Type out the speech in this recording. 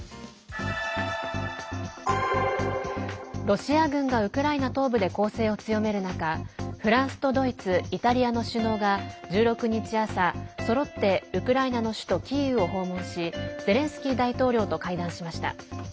ロシア軍がウクライナ東部で攻勢を強める中フランスとドイツイタリアの首脳が１６日朝、そろってウクライナの首都キーウを訪問しゼレンスキー大統領と会談しました。